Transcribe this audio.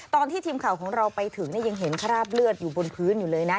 ตอนที่ทีมข่าวของเราไปถึงยังเห็นคราบเลือดอยู่บนพื้นอยู่เลยนะ